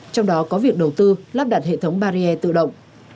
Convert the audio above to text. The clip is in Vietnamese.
trong đó có việc đầu tư lắp đặt hệ thống barrier tự động